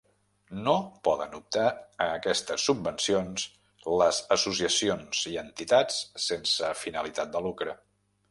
No poden optar a aquestes subvencions les associacions i entitats sense finalitat de lucre.